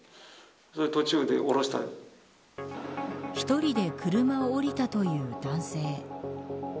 １人で車を降りたという男性。